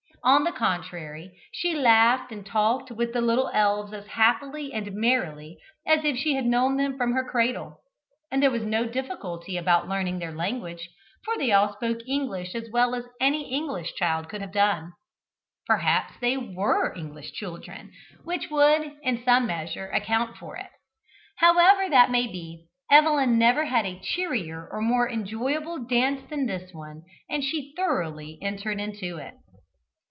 On the contrary, she laughed and talked with the little elves as happily and merrily as if she had known them from her cradle, and there was no difficulty about learning their language, for they all spoke English as well as any English child could have done. Perhaps they were English children, which would in some measure account for it. However that may be, Evelyn never had a cheerier or more enjoyable dance than this one, and she thoroughly entered into it.